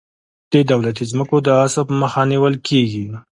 د دولتي ځمکو د غصب مخه نیول کیږي.